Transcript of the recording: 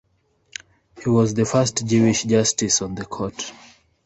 He was the first Jewish justice on the court.